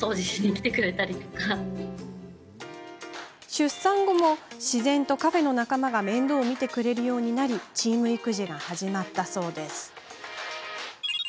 出産後も、自然とカフェの仲間が面倒を見てくれるようになりチーム育児が始まったそう。